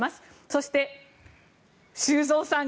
そして、修造さん